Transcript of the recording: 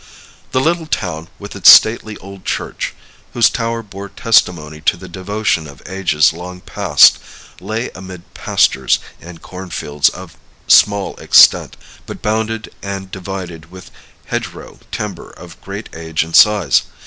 The little town, with its stately old church, whose tower bore testimony to the devotion of ages long past, lay amid pastures and corn fields of small extent, but bounded and divided with hedgerow timber of great age and size.